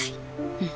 うん。